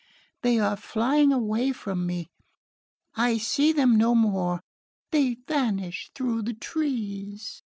they are flying away from me...I see them no more...they vanish through the trees..."